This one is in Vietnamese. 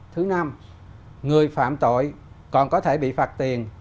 thứ năm người phạm tội còn có thể bị phạt tiền